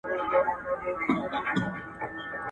ټولنیزې اسانتیاوې باید ژر تر ژره برابرې سي.